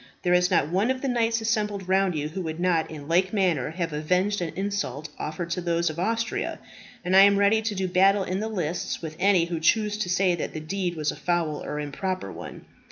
There is not one of the knights assembled round you who would not in like manner have avenged an insult offered to those of Austria; and I am ready to do battle in the lists with any who choose to say that the deed was a foul or improper one.